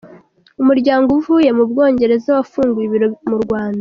Umuryango Uvuye Mubwongereza wafunguye ibiro mu Rwanda